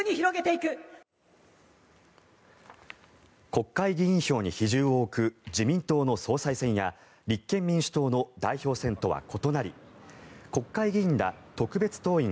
国会議員票に比重を置く自民党の総裁選や立憲民主党の代表選とは異なり国会議員ら特別党員